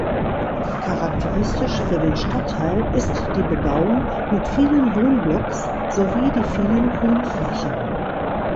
Charakteristisch für den Stadtteil ist die Bebauung mit vielen Wohnblocks sowie die vielen Grünflächen.